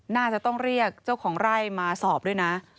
น่าจะต้องเรียกเจ้าของไร่มาสอบด้วยนะ